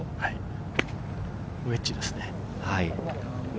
ウエッジですね。